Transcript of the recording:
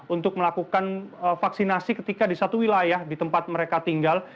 untuk melakukan vaksinasi ketika di satu wilayah di tempat mereka tinggal